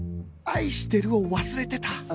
「愛してる」を忘れてた